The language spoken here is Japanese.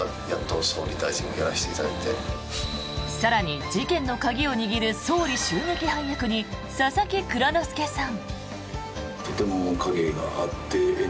更に、事件の鍵を握る総理襲撃犯役に佐々木蔵之介さん。